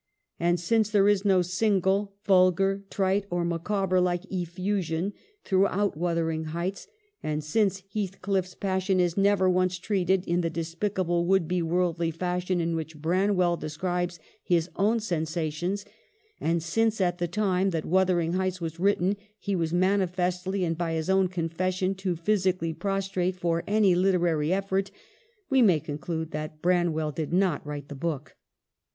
And since there is no single vul gar, trite, or Micawber like effusion throughout ' Wuthering Heights ;' and since Heathcliff's passion is never once treated in the despicable would be worldly fashion in which Branwell de scribes his own sensations, and since at the time that ' Wuthering Heights ' was written he was manifestly, and by his own confession, too phys ically prostrate for any literary effort, we may conclude that Branwell did not write the book.